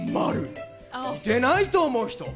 似てないと思う人×。